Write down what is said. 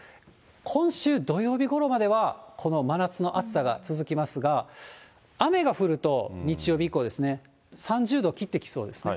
今週土曜日ごろまでは、この真夏の暑さが続きますが、雨が降ると、日曜日以降ですね、３０度を切ってきそうですね。